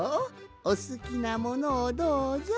おすきなものをどうぞ。